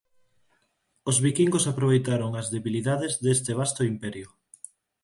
Os viquingos aproveitaron as debilidades deste vasto imperio.